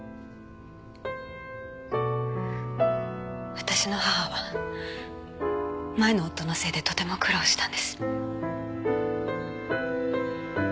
私の母は前の夫のせいでとても苦労をしたんです。